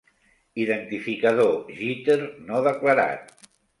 Identificador "jitter" no declarat.